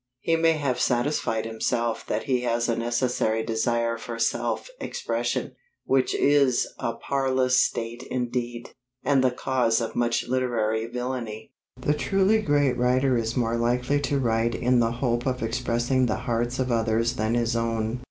He may have satisfied himself that he has a necessary desire for "self expression," which is a parlous state indeed, and the cause of much literary villainy. The truly great writer is more likely to write in the hope of expressing the hearts of others than his own.